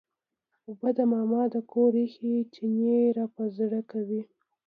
اوبه د ماما د کور یخ چینې راپه زړه کوي.